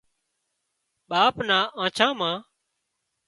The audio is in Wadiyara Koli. ٻاپ نان آنڇان مان